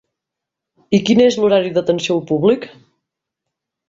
I quin és l'horari d'atenció al públic?